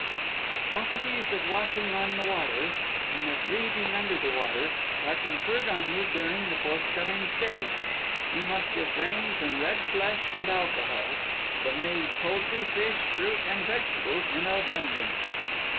"The properties of walking on the water, and of breathing under the water are conferred on you during the forthcoming stage. You must refrain from red flesh and alcohol, but may eat poultry, fish, fruit, and vegetables in abundance."